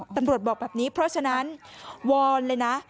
ตำรวจบอกแบบนี้เพราะฉะนั้นวอนเลยนะ